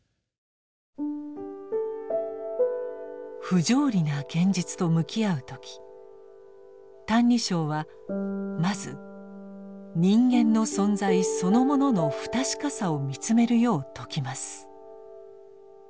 不条理な現実と向き合う時「歎異抄」はまず人間の存在そのものの不確かさを見つめるよう説きます。